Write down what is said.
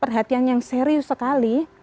perhatian yang serius sekali